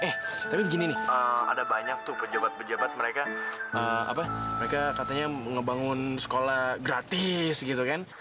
eh tapi begini nih ada banyak tuh pejabat pejabat mereka apa mereka katanya ngebangun sekolah gratis gitu kan